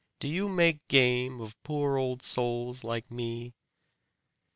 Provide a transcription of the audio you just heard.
Do you make game of poor old souls like me?"